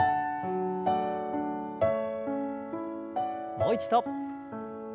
もう一度。